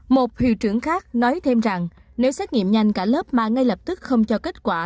một hiệu trưởng khác nói thêm rằng nếu xét nghiệm nhanh cả lớp mà ngay lập tức không cho kết quả